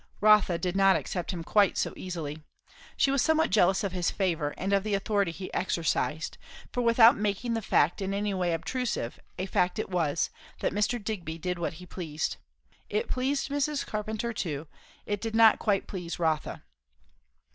Rotha did not accept him quite so easily. She was somewhat jealous of his favour and of the authority he exercised; for without making the fact in any way obtrusive, a fact it was, that Mr. Digby did what he pleased. It pleased Mrs. Carpenter too; it did not quite please Rotha.